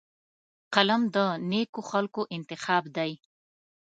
قلم د نیکو خلکو انتخاب دی